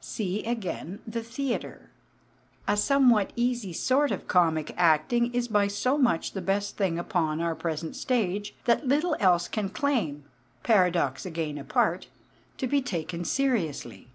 See, again, the theatre. A somewhat easy sort of comic acting is by so much the best thing upon our present stage that little else can claim paradox again apart to be taken seriously.